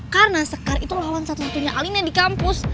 karena sekar itu lawan satu satunya alina di kampus